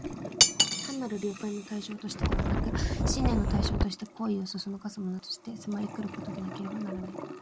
単なる了解の対象としてでなく、信念の対象として、行為を唆すものとして、迫り来ることでなければならない。